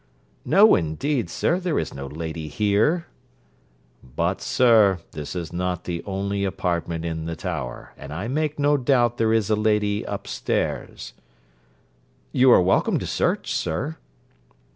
'No, indeed, sir. There is no lady here.' 'But, sir, this is not the only apartment in the tower, and I make no doubt there is a lady up stairs.' 'You are welcome to search, sir.'